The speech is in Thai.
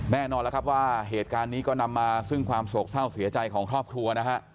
แน่นอนแล้วครับว่าเหตุการณ์นี้ก็นำมาซึ่งความโศกเศร้าเสียใจของครอบครัวนะฮะ